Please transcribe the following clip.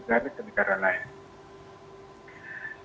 dari satu negara ke negara lain